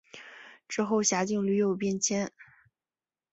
之后辖境屡有变迁。